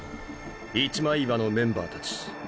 一枚岩のメンバーたち。